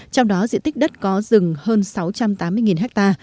trong đó diện tích đất có rừng hơn sáu trăm tám mươi ha